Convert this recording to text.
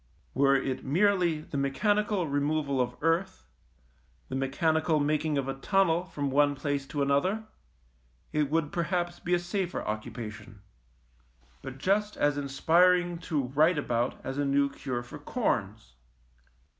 Were it merely the mechanical removal of earth, the mechanical making of a tunnel from one place to another, it would perhaps be a safer occupation, but just as inspiring to write about as a new cure for corns.